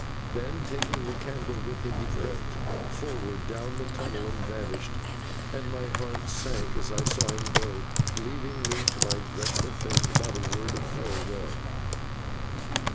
Then, taking the candle with him, he crept forward down the tunnel and vanished, and my heart sank as I saw him go, leaving me to my dreadful fate without a word of farewell.